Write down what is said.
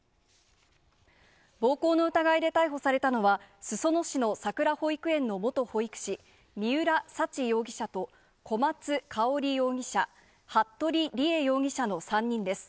暴行の疑いで逮捕されたのは、裾野市のさくら保育園の元保育士、三浦沙知容疑者と小松香織容疑者、服部理江容疑者の３人です。